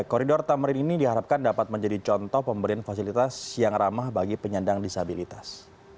koridor tamrin ini diharapkan dapat menjadi contoh pemberian fasilitas yang ramah bagi penyandang disabilitas